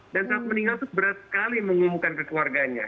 dan saat meninggal itu berat sekali mengumumkan kekeluarganya